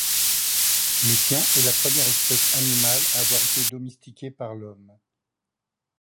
Le chien est la première espèce animale à avoir été domestiquée par l'Homme